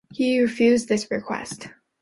He refused this request.